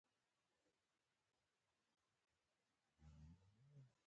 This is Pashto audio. زه د خپلو احساساتو کنټرول کوم.